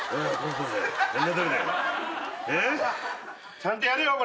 ちゃんとやれよ。